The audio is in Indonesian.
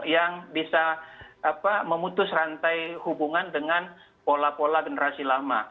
yang bisa memutus rantai hubungan dengan pola pola generasi lama